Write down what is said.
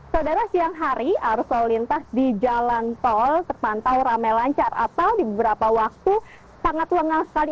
saudara siang hari arus lalu lintas di jalan tol terpantau rame lancar atau di beberapa waktu sangat lengang sekali